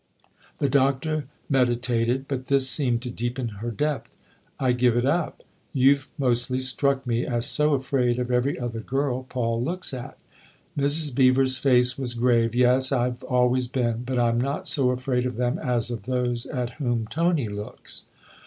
The Doctor meditated, but this seemed to deepen her depth. " I give it up. You've mostly struck me as so afraid of every other girl Paul looks at." Mrs. Beever 's face was grave. " Yes, I've always been; but I'm not so afraid of them as of those at whom Tony looks."